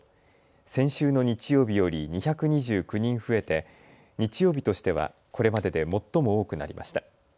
先週の日曜日より２２９人増えて日曜日としてはこれまでで最も多くなりました。